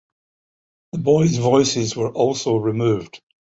The boys' voices were also removed.